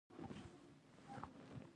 لومړی وزیر د پاچا د لورینې له مخې ټاکل کېږي.